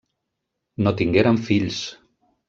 No tingueren fills.